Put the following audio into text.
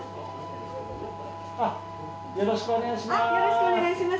よろしくお願いします。